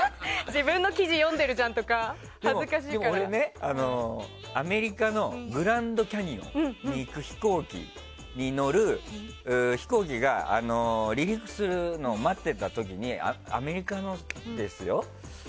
自分の記事読んでるじゃんとか俺ね、アメリカのグランドキャニオンに行く飛行機が離陸するのを待ってた時にアメリカのですよ？